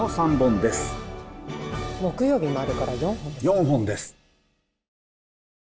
４本です。